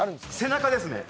背中ですね